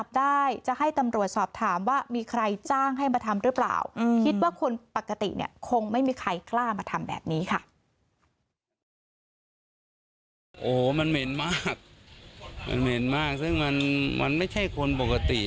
โอ้โหมันเหม็นมากมันเหม็นมากซึ่งมันไม่ใช่คนปกติ